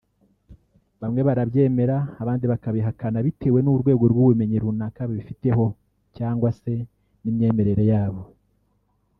Bamwe barabyemera abandi bakabihakana bitewe n’urwego rw’ubumenyi runaka babifiteho cyangwa se n’imyemerere yabo